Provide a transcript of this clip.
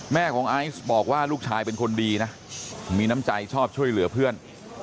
แม่ของไอซ์บอกว่าลูกชายเป็นคนดีนะมีน้ำใจชอบช่วยเหลือเพื่อน